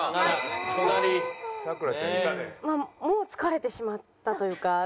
もう疲れてしまったというか。